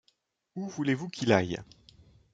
Où voulez-vous qu’il aille?